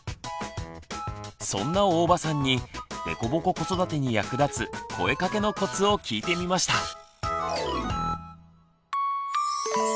そんな大場さんに凸凹子育てに役立つ「声かけのコツ」を聞いてみました。